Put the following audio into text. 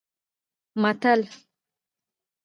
متل